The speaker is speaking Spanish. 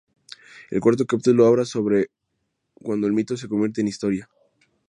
El cuarto capítulo habla sobre cuando el mito se convierte en historia.